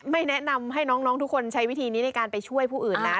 แนะนำให้น้องทุกคนใช้วิธีนี้ในการไปช่วยผู้อื่นนะ